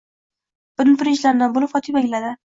Buni birinchilardan bo'lib Fotima angladi.